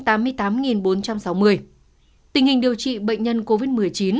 tình hình điều trị bệnh nhân covid một mươi chín